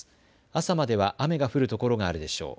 朝までは雨が降る所があるでしょう。